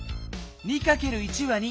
２×１は２。